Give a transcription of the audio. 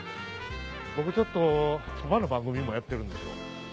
僕ちょっとそばの番組もやってるんですよ。